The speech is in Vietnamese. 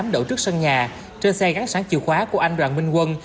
đậu trước sân nhà trên xe gắn sáng chìa khóa của anh đoàn minh quân